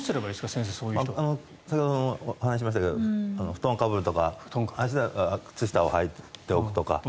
先ほども話しましたが布団をかぶるとか靴下をはいておくとか。